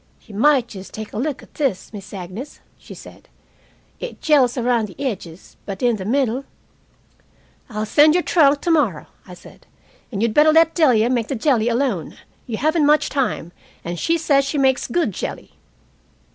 "You might just take a look at this, Miss Agnes," she said. "It jells around the edges, but in the middle " "I'll send your trunk tomorrow," I said, "and you'd better let Delia make the jelly alone. You haven't much time, and she says she makes good jelly."